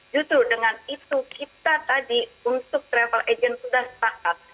justru dengan itu kita tadi untuk travel agent sudah sepakat